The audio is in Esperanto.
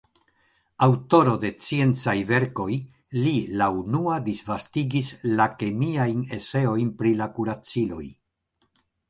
Aŭtoro de sciencaj verkoj, li la unua disvastigis la kemiajn eseojn pri la kuraciloj.